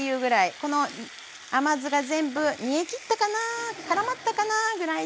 この甘酢が全部煮えきったかなぁからまったかなぐらいで出来上がりです。